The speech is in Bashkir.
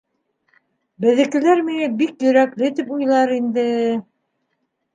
Беҙҙекеләр мине бик йөрәкле тип уйлар инде.